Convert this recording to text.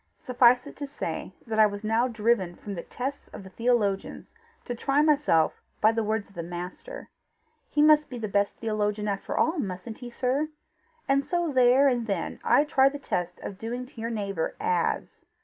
Suffice it to say that I was now driven from the tests of the theologians to try myself by the words of the Master: he must be the best theologian after all, mustn't he, sir? and so there and then I tried the test of doing to your neighbour AS.